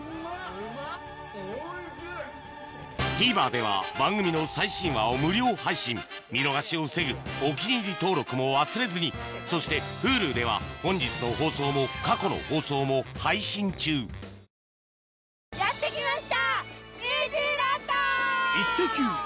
ＴＶｅｒでは番組の最新話を無料配信見逃しを防ぐ「お気に入り」登録も忘れずにそしてＨｕｌｕでは本日の放送も過去の放送も配信中運命の出会いです。